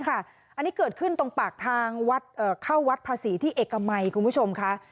อันนี้เกิดขึ้นตรงปากทางเข้าวัดภาษีที่เอกมัยคุณผู้ชมค่ะ